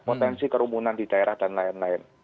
potensi kerumunan di daerah dan lain lain